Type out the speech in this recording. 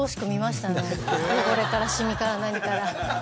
汚れからシミから何から。